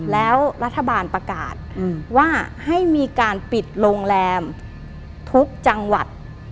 แล้วรัฐบาลประกาศว่าให้มีการปิดโรงแรมทุกจังหวัด